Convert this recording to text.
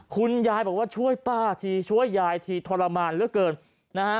คุณยายบอกว่าช่วยป้าทีช่วยยายทีทรมานเหลือเกินนะฮะ